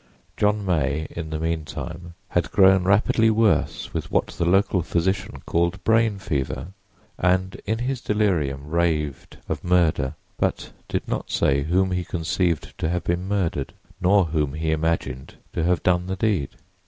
John May in the meantime had grown rapidly worse with what the local physician called brain fever, and in his delirium raved of murder, but did not say whom he conceived to have been murdered, nor whom he imagined to have done the deed.